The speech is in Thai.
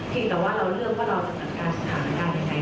จริงแต่ว่าเราเลือกว่าเราจะตัดการสถานการณ์อย่างไหน